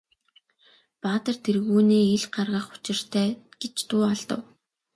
Баатар тэргүүнээ ил гаргах учиртай гэж дуу алдав.